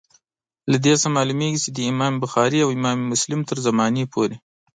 له دې څخه معلومیږي چي د امام بخاري او امام مسلم تر زمانې پوري.